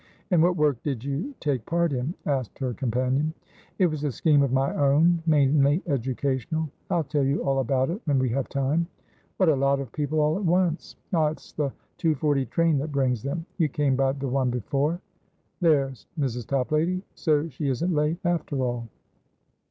"And what work did you take part in?" asked her companion. "It was a scheme of my own, mainly educational. I'll tell you all about it, when we have time. What a lot of people all at once! Ah, it's the 2.40 train that brings them. You came by the one before? There's Mrs. Toplady; so she isn't late, after all."